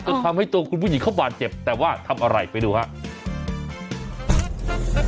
ทำให้ตัวคุณผู้หญิงเขาบาดเจ็บแต่ว่าทำอะไรไปดูครับ